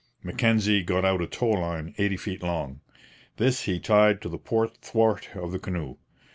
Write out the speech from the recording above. Mackenzie got out a tow line eighty feet long. This he tied to the port thwart of the canoe.